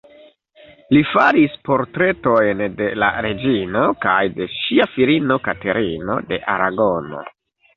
Li faris portretojn de la reĝino kaj de ŝia filino Katerino de Aragono.